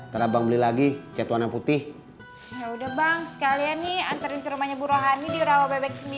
terabang beli lagi cetuan putih ya udah bang sekalian nih anterin rumahnya buruhani di rawabebek